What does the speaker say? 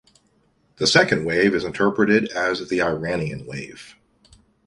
The second wave is interpreted as the Iranian wave.